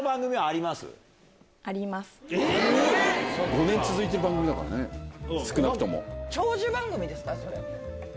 ５年続いてる番組だからね少なくとも。